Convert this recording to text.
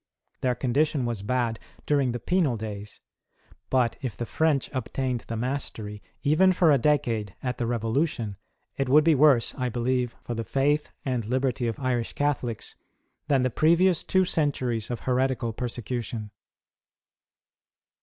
Their condition was bad during the penal days, but if the French obtained the mastery, even for a decade, at the Kevolution, it would be worse, I believe, for the Faith and liberty of Irish Catholics, than the previous two centuries of heretical persecution.